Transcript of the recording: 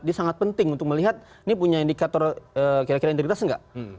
ini sangat penting untuk melihat ini punya indikator kira kira integritas nggak